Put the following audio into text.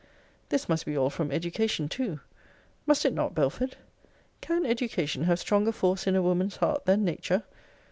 This must be all from education too Must it not, Belford? Can education have stronger force in a woman's heart than nature?